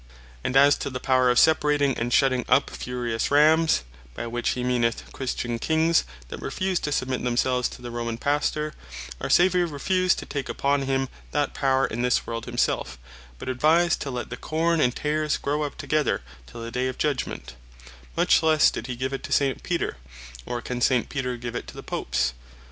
And as to the Power of Separating, and Shutting up of furious Rammes, (by which hee meaneth Christian Kings that refuse to submit themselves to the Roman Pastor,) our Saviour refused to take upon him that Power in this world himself, but advised to let the Corn and Tares grow up together till the day of Judgment: much lesse did hee give it to St. Peter, or can S. Peter give it to the Popes.